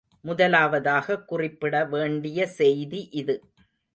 முதலாவதாகக் குறிப்பிட வேண்டிய செய்தி இது.